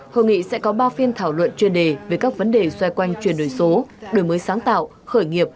hội nghị sẽ có ba phiên thảo luận chuyên đề về các vấn đề xoay quanh chuyển đổi số đổi mới sáng tạo khởi nghiệp